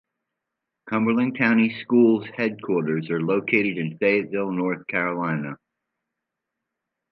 Cumberland County Schools' headquarters are located in Fayetteville, North Carolina.